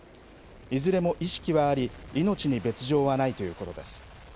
いずれも意識はあり命に別条はないということです。